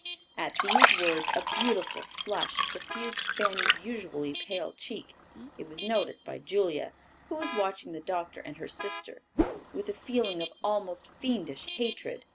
At these words a beautiful flush suffused Fanny's usually pale cheek. It was noticed by Julia, who was watching the doctor and her sister with a feeling of almost fiendish hatred.